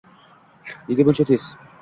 Nega buncha tez